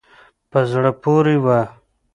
په زړه پورې وه.